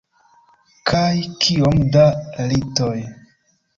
Kaj kiom da litoj.